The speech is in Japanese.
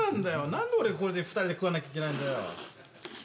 何で俺が２人で食わなきゃいけないんだよ。